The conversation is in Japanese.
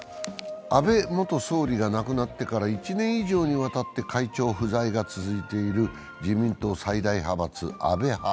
安倍元総理が亡くなってから１年以上にわたって会長不在が続いている自民党最大派閥・安倍派。